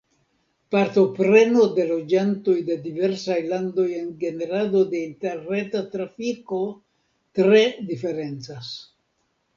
Partopreno de loĝantoj de diversaj landoj en generado de interreta trafiko tre diferencas.